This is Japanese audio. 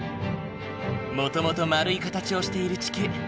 もともと丸い形をしている地球。